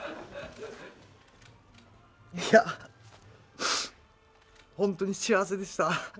いや本当に幸せでした。